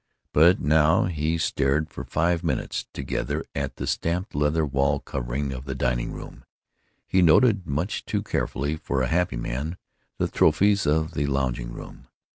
But now he stared for five minutes together at the stamped leather wall covering of the dining room. He noted, much too carefully for a happy man, the trophies of the lounging room.